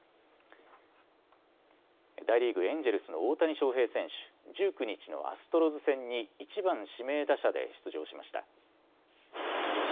大リーグ、エンジェルスの大谷翔平選手、１９日のアストロズ戦に１番・指名打者で出場しました。